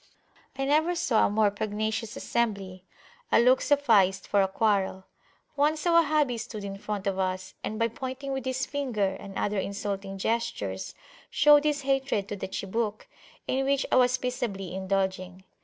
I never saw a more pugnacious assembly: a look sufficed for a quarrel. Once a Wahhabi stood in front of us, and by pointing with his finger and other insulting gestures, showed his hatred to the chibuk, in which I was peaceably indulging.